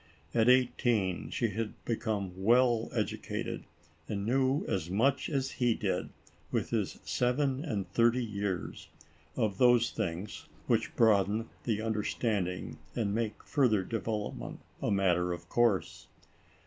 At eighteen she had become well educated and knew as much as he did, with his seven and thirty years, of those things, which broaden the understanding, and make further development a matter of course.